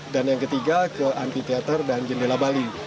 dan yang ketiga ke anti theater dan jendela bali